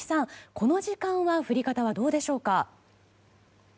この時間は降り方はどうでしょうか？